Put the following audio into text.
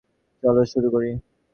চলো শুরু করি!